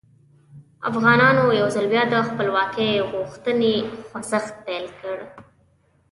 افغانانو یو ځل بیا د خپلواکۍ غوښتنې خوځښت پیل کړ.